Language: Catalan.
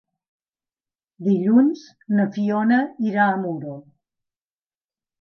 Dilluns na Fiona irà a Muro.